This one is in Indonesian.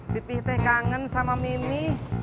pipiteh kangen sama mimi